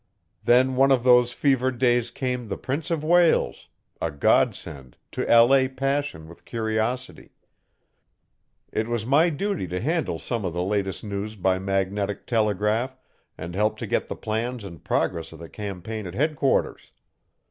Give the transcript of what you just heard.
Then one of those fevered days came the Prince of Wales a Godsend, to allay passion with curiosity. It was my duty to handle some of 'the latest news by magnetic telegraph', and help to get the plans and progress of the campaign at headquarters.